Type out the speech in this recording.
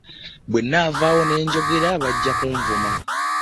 Bwe nnaavaawo ne njogera bajja kunvuma.